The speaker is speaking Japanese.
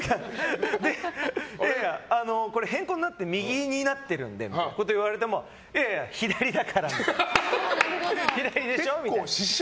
変更になって右になっているんでみたいなことを言われてもいやいや、左だからって。